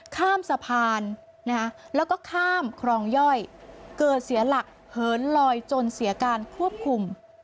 ข้ามสะพานแล้วก็ข้ามครองย่อยเกิดเสียหลักเหินลอยจนเสียการควบคุม